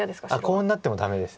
コウになってもダメです。